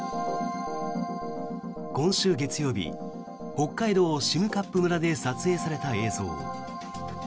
今週月曜日、北海道占冠村で撮影された映像。